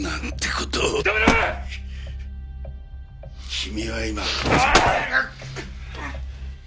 君は今。